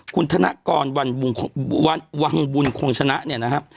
คุณธนกรวันบุงหวังบุญคงชนะเนี่ยนะฮะ